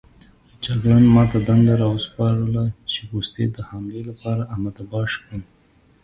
جګړن ما ته دنده راوسپارله چې پوستې د حملې لپاره اماده باش کړم.